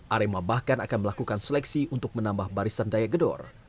arema bahkan akan melakukan seleksi untuk menambah barisan daya gedor